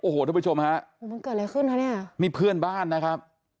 โหว้ท่านผู้ชมฮะมันเกิดอะไรขึ้นนะคะเนี่ยมีเพื่อนบ้านนะครับ